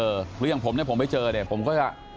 หรืออย่างผมนะผมไปเจอเนี่ย